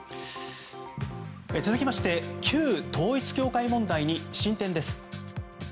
続きまして旧統一教会問題に進展です。